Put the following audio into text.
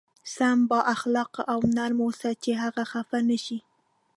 سم با اخلاقه او نرم اوسه چې هغه خفه نه شي.